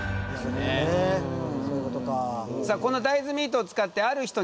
そういうことか。